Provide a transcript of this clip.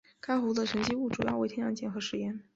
该湖的沉积物主要为天然碱和石盐。